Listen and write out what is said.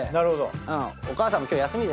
お母さんも今日休みでしょ。